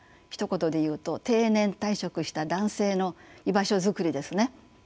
ひと言で言うと定年退職した男性の居場所作りですね。